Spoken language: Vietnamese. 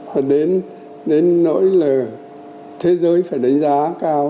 và đến nỗi là thế giới phải đánh giá cao